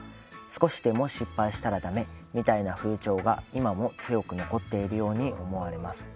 少しでも失敗したらだめみたいな風潮が今も強く残っているように思われます。